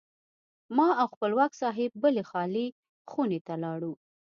ما او خپلواک صاحب بلې خالي خونې ته لاړو.